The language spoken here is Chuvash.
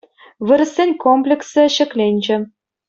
Вырӑссен комплексӗ ҫӗкленчӗ.